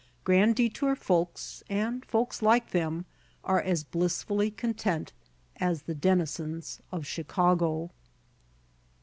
Grand Detour folks, and folks like them, are as blissfully content as the denizens of Chicago.